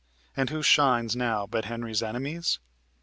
And who shines now but Henry's enemies?"